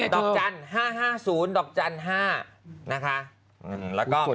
ดอกจัน๕๕๐๘๕๔นะคะ